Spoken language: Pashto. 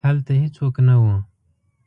هلته هیڅوک نه وو.